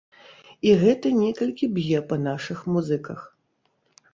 І гэта некалькі б'е па нашых музыках.